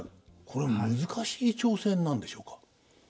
これは難しい挑戦なんでしょうか？